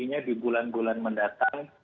artinya di bulan bulan mendatang